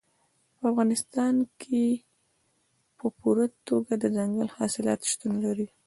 په افغانستان کې په پوره توګه دځنګل حاصلات شتون لري.